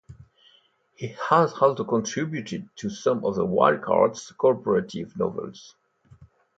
He has also contributed to some of the Wild Cards cooperative novels.